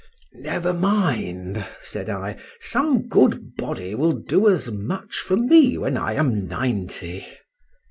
—Never mind, said I, some good body will do as much for me when I am ninety.